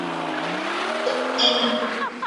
世界从何来？